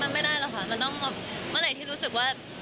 ไม่ได้หรอกค่ะมันต้องเมื่อไหร่ที่รู้สึกว่า